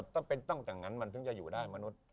ต้องจากงั้นมันจะอยู่ได้มนุษย์